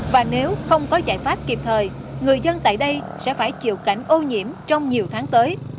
và nếu không có giải pháp kịp thời người dân tại đây sẽ phải chịu cảnh ô nhiễm trong nhiều tháng tới